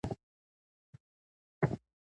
ويني په جوش راځي.